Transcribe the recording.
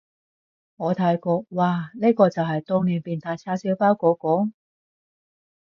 我睇過，嘩，呢個就係當年變態叉燒包嗰個？